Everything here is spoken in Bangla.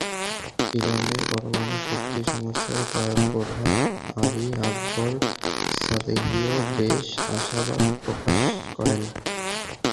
ইরানের পরমাণু শক্তি সংস্থার প্রধান আলী আকবর সালেহিও বেশ আশাবাদ প্রকাশ করেন।